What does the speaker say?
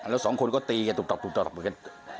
แล้วสองคนก็ตีกันตุ๊บกัน